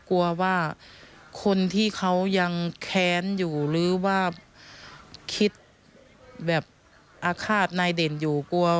กลัวว่าคนที่เขายังแค้นอยู่หรือว่าคิดแบบอาฆาตนายเด่นอยู่กลัว